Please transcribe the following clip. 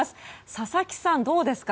佐々木さん、どうですか。